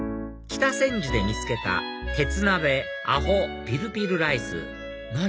北千住で見つけた鉄鍋アホピルピルライス何？